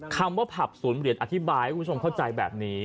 คำว่าผับศูนย์เหรียญอธิบายให้คุณผู้ชมเข้าใจแบบนี้